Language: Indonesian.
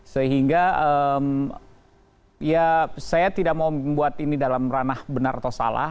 sehingga ya saya tidak mau membuat ini dalam ranah benar atau salah